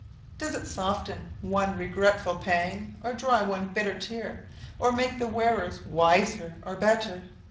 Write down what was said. Does it soften one regretful pang, or dry one bitter tear, or make the wearers wiser or better?